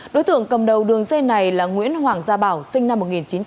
đối tượng cầm đầu đường dây này là nguyễn hoàng gia bảo sinh năm một nghìn chín trăm tám mươi